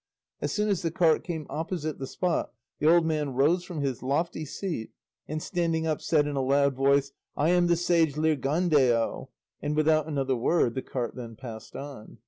As soon as the cart came opposite the spot the old man rose from his lofty seat, and standing up said in a loud voice, "I am the sage Lirgandeo," and without another word the cart then passed on.